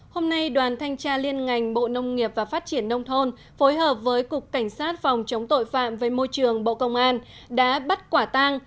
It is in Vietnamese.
hôm nay đoàn thanh tra liên ngành bộ nông nghiệp và phát triển nông thôn phối hợp với cục cảnh sát phòng chống tội phạm với môi trường bộ công an đã bắt quả tang